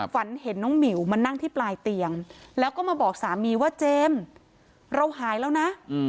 ฝันเห็นน้องหมิวมานั่งที่ปลายเตียงแล้วก็มาบอกสามีว่าเจมส์เราหายแล้วนะ